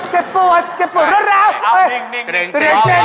เจ็บปวดเจ็บปวดร้อนร้อน